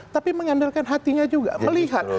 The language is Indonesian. tapi mengandalkan hatinya juga melihat